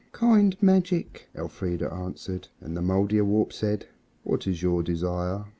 "Kind magic," Elfrida answered. And the Mouldierwarp said "What is your desire?"